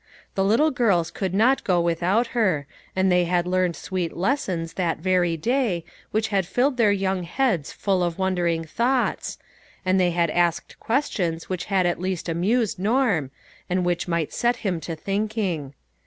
The little girls could not go with out her, and they had learned sweet lessons that very day, which had filled their young heads full of wondering thoughts, and they had asked questions which had at least amused NWm, and which might set him to thinking.